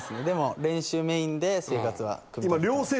でも練習メインで生活は。